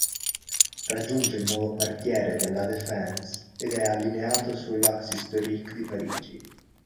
Raggiunge il nuovo quartiere de La Défense ed è allineato sull'Axe historique di Parigi.